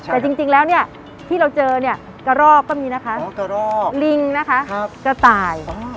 แต่จริงแล้วที่เราเจอกระรอกก็มีนะคะลิงนะคะกระต่าย